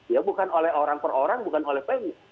ya bukan oleh orang per orang bukan oleh pmi